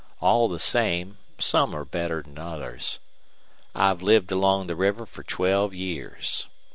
All the same, some are better'n others. I've lived along the river fer twelve years.